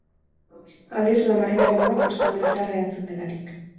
Aldiz, La Marina eremuak kostaldean zehar hedatzen delarik.